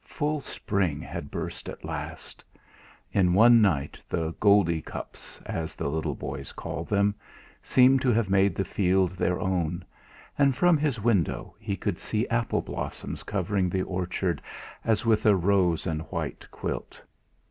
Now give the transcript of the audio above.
Full spring had burst at last in one night the "goldie cups," as the little boys called them, seemed to have made the field their own, and from his window he could see apple blossoms covering the orchard as with a rose and white quilt.